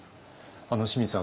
清水さん